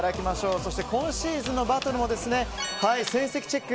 そして今シーズンのバトルも成績チェック。